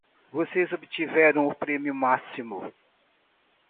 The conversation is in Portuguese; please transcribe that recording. Vocês obtiveram o prêmio máximo.